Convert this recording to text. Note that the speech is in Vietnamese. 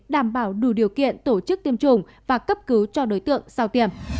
đảm bảo đủ điều kiện tổ chức tiêm chủng và cấp cứu cho đối tượng sau tiềm